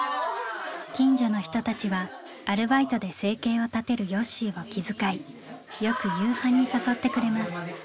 近所の人たちはアルバイトで生計を立てるよっしーを気遣いよく夕飯に誘ってくれます。